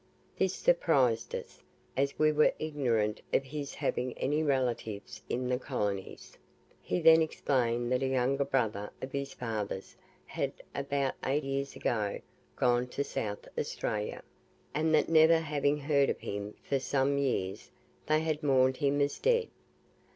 This surprised us, as we were ignorant of his having any relatives in the colonies. He then explained that a younger brother of his father's had about eight years ago gone to South Australia, and that never having heard of him for some years they had mourned him as dead.